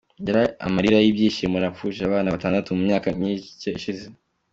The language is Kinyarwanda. Yari amarira y'ibyishimo - napfushije abana batandatu mu myaka micye ishize".